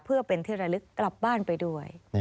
เพื่อเป็นที่ระลึกกลับบ้านไปด้วย